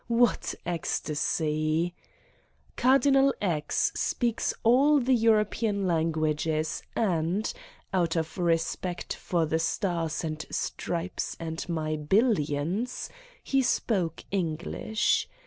What ecstasy ! Cardinal X. speaks all the European languages and, out of respect for the Stars and Stripes and my billions, he spoke English.